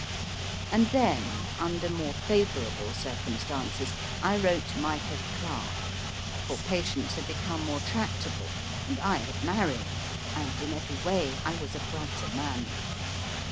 And then, under more favourable circumstances, I wrote io8 MY FIRST BOOK 1 Micah Clarke, for patients had become more tractable, and I had married, and in every way I was a brighter man.